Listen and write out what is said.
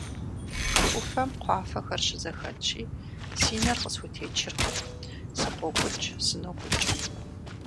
Хы Ӏуфэм кхъуафэхэр щызэхэтщи, си нэр къысхутечыркъым: сыкъокӀукӀ-сынокӀукӀ.